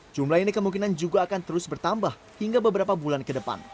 jumlah ini kemungkinan juga akan terus bertambah hingga beberapa bulan ke depan